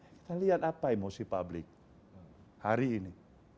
kita lihat apa emosi publik hari ini